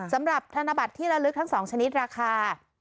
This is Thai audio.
สำหรับธนบัตรที่ระลึกทั้ง๒ชนิดราคา